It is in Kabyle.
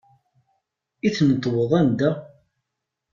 I tneṭweḍ anda?